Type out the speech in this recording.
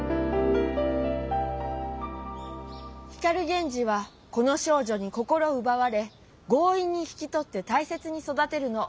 光源氏はこの少女に心うばわれ強引に引きとってたいせつに育てるの。